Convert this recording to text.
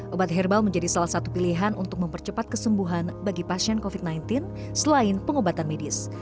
obat herbal menjadi salah satu pilihan untuk mempercepat kesembuhan bagi pasien covid sembilan belas selain pengobatan medis